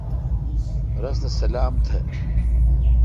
رس تھ سلام تھ۔